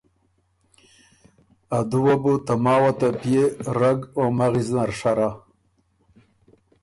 ا دُوه بو ته ماوه ته پئے رګ او مغِز نر شرا۔